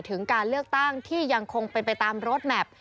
ถึงการเลือกตั้งที่ยังคงเป็นไปตามรถแมพ